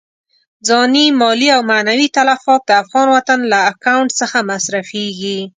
ځاني، مالي او معنوي تلفات د افغان وطن له اکاونټ څخه مصرفېږي.